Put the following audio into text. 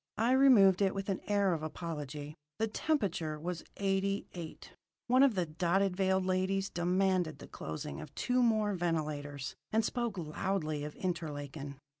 I removed it with an air of apology. The temperature was eighty eight. One of the dotted veiled ladies demanded the closing of two more ventilators, and spoke loudly of Interlaken.